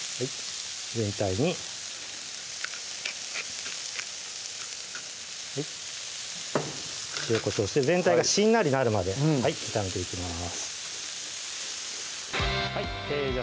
全体に塩・こしょうして全体がしんなりなるまで炒めていきます